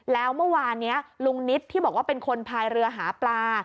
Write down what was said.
แล้วเมื่อวานนี้ลุงนิตที่บอกว่าเป็นคนพายเรือหาปลา